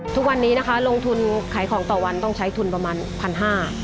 ทุกวันนี้นะคะลงทุนขายของต่อวันต้องใช้ทุนประมาณพันห้า